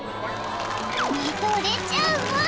［見とれちゃうワン！］